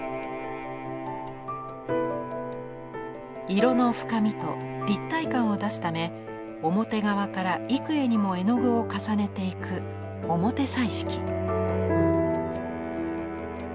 色の深みと立体感を出すため表側から幾重にも絵の具を重ねていく表彩色。